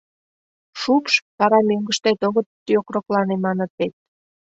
Шупш, вара «мӧҥгыштет огыт йокроклане» маныт вет.